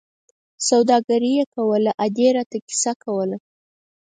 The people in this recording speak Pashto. سوداګري یې کوله، ادې را ته کیسه کوله.